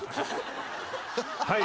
はい。